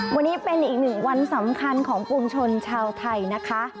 วันนี้เป็นอีกหนึ่งวันสำคัญของปวงชนชาวไทยนะคะ